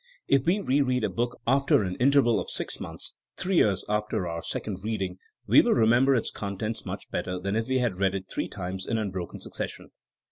If we re read a book after an interval of six months, three years after our second read ing we will remember its contents much better than if we had read it three times in unbroken succession.